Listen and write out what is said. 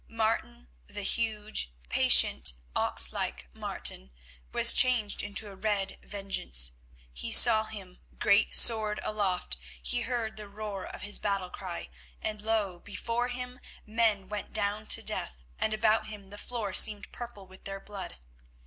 Martin, the huge, patient, ox like Martin, was changed into a red Vengeance; he saw him, great sword aloft, he heard the roar of his battle cry, and lo! before him men went down to death, and about him the floor seemed purple with their blood.